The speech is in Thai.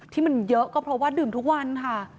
ที่มันเยอะก็เพราะว่าดื่มทุกวันค่ะ